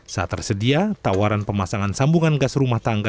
saat tersedia tawaran pemasangan sambungan gas rumah tangga